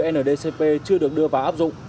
ndcp chưa được đưa vào áp dụng